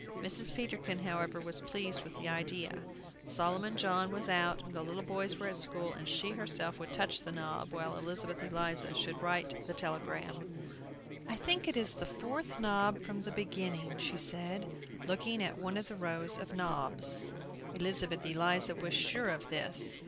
Mrs. Peterkin, however, was pleased with the idea. Solomon John was out, and the little boys were at school, and she herself would touch the knob, while Elizabeth Eliza should write the telegram. "I think it is the fourth knob from the beginning," she said, looking at one of the rows of knobs. Elizabeth Eliza was sure of this.